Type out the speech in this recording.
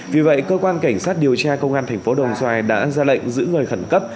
vì vậy cơ quan cảnh sát điều tra công an thành phố đồng xoài đã ra lệnh giữ người khẩn cấp